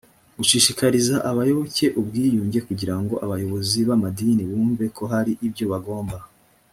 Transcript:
gushishikariza abayoboke ubwiyunge kugira ngo abayobozi b amadini bumve ko hari ibyo bagomba